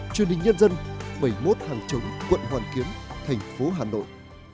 chương trình nhân dân bảy mươi một hàng chống quận hoàn kiến tp hà nội